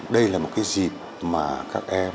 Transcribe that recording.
đây là một cái dịp mà các em